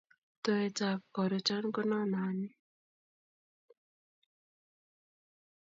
Towet ab karuchan ko nono any